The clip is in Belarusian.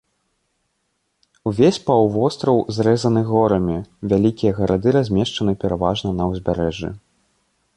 Увесь паўвостраў зрэзаны горамі, вялікія гарады размешчаны пераважна на ўзбярэжжы.